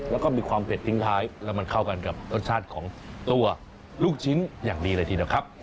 แล้วก็มีความเผ็ดทิ้งท้ายแล้วมันเข้ากันกับรสชาติของตัวลูกชิ้นอย่างดีเลยทีเดียวครับ